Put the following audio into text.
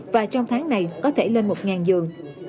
và trong tháng này có thể lên một dương